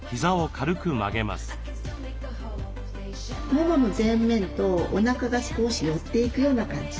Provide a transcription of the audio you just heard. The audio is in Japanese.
ももの前面とおなかが少し寄っていくような感じ。